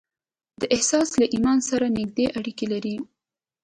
دا احساس له ايمان سره نږدې اړيکې لري.